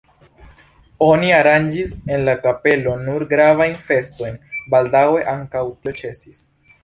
Oni aranĝis en la kapelo nur gravajn festojn, baldaŭe ankaŭ tio ĉesis.